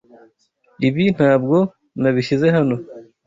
Ibi ntabwo nabishyize hano.